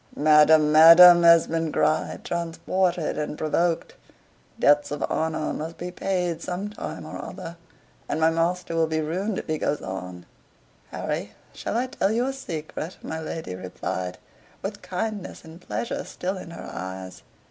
"Madam, madam!" Esmond cried, transported and provoked. "Debts of honor must be paid some time or other; and my master will be ruined if he goes on." "Harry, shall I tell you a secret?" my lady replied, with kindness and pleasure still in her eyes.